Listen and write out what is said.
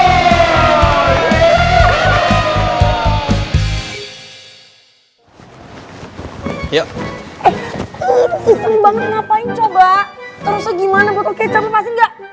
eh ini iseng banget ngapain coba terusnya gimana potol kecap lepasin gak